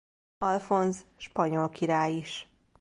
Alfonz spanyol király is.